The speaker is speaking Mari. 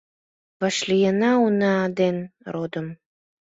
Вашлийына уна ден родым